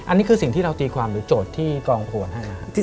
อันนี้คือสิ่งที่เราตีความหรือโจทย์ที่กองควรให้นะครับ